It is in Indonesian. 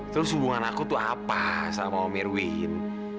terus hubungan aku tuh apa sama om irwin